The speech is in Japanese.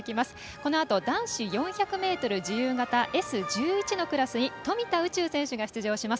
このあと男子４００ｍ自由形Ｓ１１のクラスに富田宇宙選手が出場します。